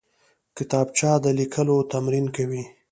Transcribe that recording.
کتابچه د لیکلو تمرین کوي